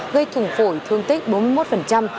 gây thùng phổi thương tích bốn mươi một